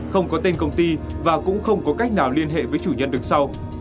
không có tên công ty và cũng không có cách nào liên hệ với chủ nhân được sau